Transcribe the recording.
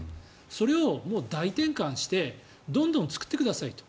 それを大転換してどんどん作ってくださいと。